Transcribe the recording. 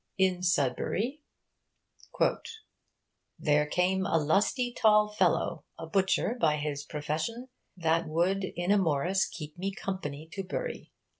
In Sudbury 'there came a lusty tall fellow, a butcher by his profession, that would in a Morice keepe me company to Bury.